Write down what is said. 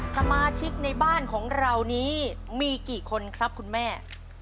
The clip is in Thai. สมาชิกในบ้านของเรานี้มีกี่คนครับคุณแม่